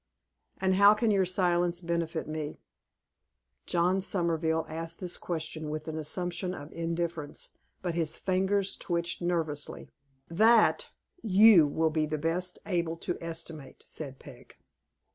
"And how can your silence benefit me?" John Somerville asked this question with an assumption of indifference, but his fingers twitched nervously. "That you will be best able to estimate," said Peg.